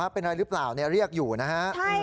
เป็นอะไรหรือเปล่าเรียกอยู่นะฮะ